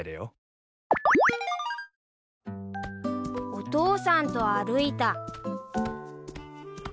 ［お父さんと歩いた］